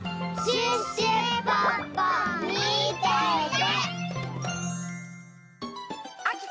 シュッシュポッポみてて！